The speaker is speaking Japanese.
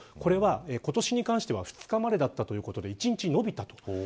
今年は２日までだったということで、１日延びました。